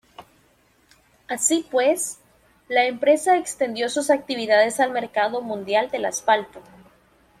Así pues, la empresa extendió sus actividades al mercado mundial del asfalto.